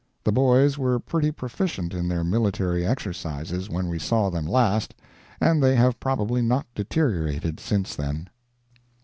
The boys were pretty proficient in their military exercises when we saw them last, and they have probably not deteriorated since then.